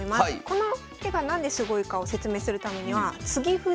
この手が何ですごいかを説明するためには継ぎ歩